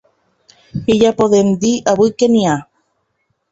I ja podem dir avui que n’hi ha.